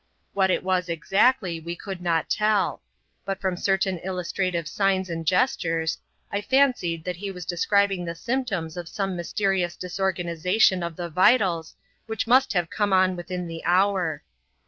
What it was, exactly, we could not tell ; but from certain illustrative signs and gestures, I fancied that he was describing the symptoms of some mysterious disorganisation of the vitals, which must have come on within the hour.